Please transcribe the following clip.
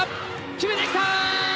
決めてきた！